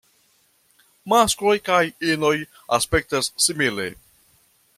Maskloj kaj inoj aspektas simile.